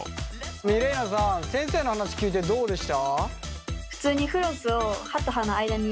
ミレイナさん先生の話聞いてどうでした？